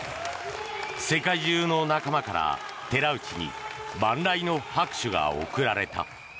世界中の仲間から寺内に万来の拍手が送られた。